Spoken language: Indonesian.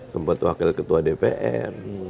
sempat wakil ketua dpr